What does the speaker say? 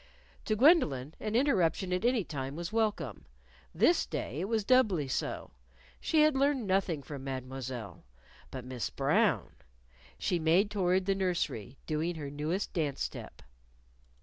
To Gwendolyn an interruption at any time was welcome. This day it was doubly so. She had learned nothing from Mademoiselle. But Miss Brown She made toward the nursery, doing her newest dance step.